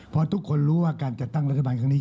เพราะทุกคนรู้ว่าการจะตั้งรัฐบาลข้างนี้